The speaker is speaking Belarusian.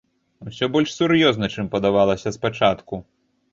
Усё больш сур'ёзна, чым падавалася спачатку.